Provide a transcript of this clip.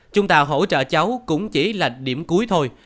chúng ta hỗ trợ cháu cũng chỉ là điểm cuối thôi